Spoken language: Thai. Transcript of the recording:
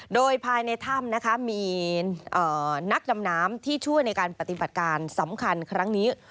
โดยภายในถ้ำนะคะมีนักดำน้ำที่ช่วยในการปฏิบัติการสำคัญครั้งนี้